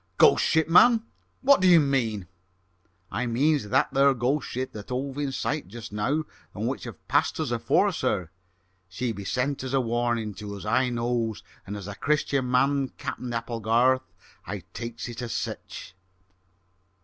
"Ghost ship, man! What do you mean?" "I means that there ghost ship that hove in sight jist now and which have passed us afore, sir. She be sent as a warning to us, I knows, and as a Christian man, Cap'en Applegarth, I takes it as sich!"